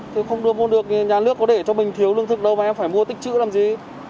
thì không ôm được nhà nước có để cho mình thiếu lương thực đâu mà em phải mua tích chữ làm gì